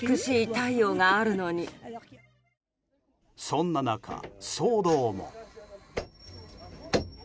そんな中、騒動も。